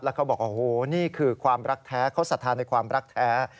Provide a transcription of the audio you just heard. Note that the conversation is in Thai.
เขาบอกโอ้โหนี่คือความรักแท้เขาศรัทธาในความรักแท้